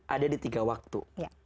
ada di tiga waktu